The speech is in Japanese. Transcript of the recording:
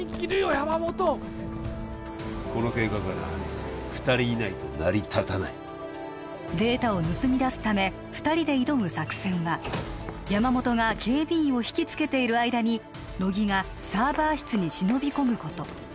山本この計画はな二人いないと成り立たないデータを盗み出すため二人で挑む作戦は山本が警備員を引きつけている間に乃木がサーバー室に忍び込むこと